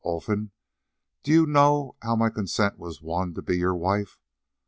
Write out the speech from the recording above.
Olfan, do you know how my consent was won to be your wife?